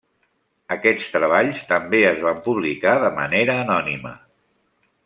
Aquests treballs també es van publicar de manera anònima.